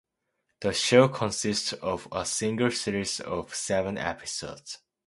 The show consists of a single series of seven episodes.